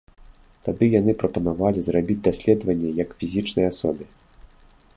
Тады яны прапанавалі зрабіць даследаванне як фізічнай асобе.